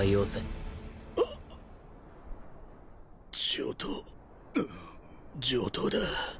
上等上等だ。